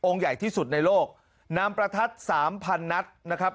องค์ใหญ่ที่สุดในโลกน้ำประทัด๓๐๐๐นัดนะครับ